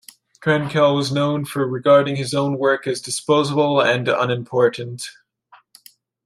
Krenkel was known for regarding his own work as disposable and unimportant.